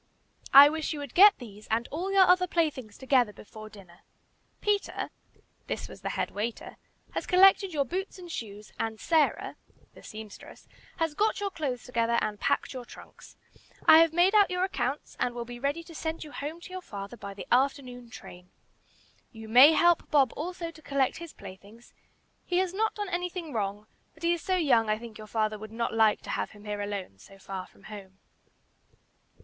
"I wish you would get these and all your other playthings together before dinner. Peter (this was the head waiter) has collected your boots and shoes, and Sarah (the seamstress) has got your clothes together and packed your trunks. I have made out your accounts, and will be ready to send you home to your father by the afternoon train. You may help Bob also to collect his playthings; he has not done anything wrong, but he is so young I think your father would not like to have him here alone so far from home."